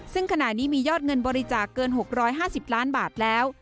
ซึ่งขณะนี้มียอดเงินบริจาคเกิน๖๕๐ล้านบาทแล้ว